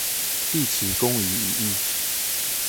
畢其功於一役